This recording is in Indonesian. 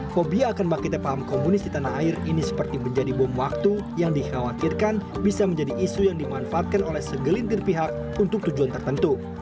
fobia akan bangkitnya paham komunis di tanah air ini seperti menjadi bom waktu yang dikhawatirkan bisa menjadi isu yang dimanfaatkan oleh segelintir pihak untuk tujuan tertentu